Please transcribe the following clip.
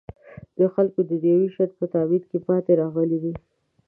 د خلکو دنیوي ژوند په تأمین کې پاتې راغلی دی.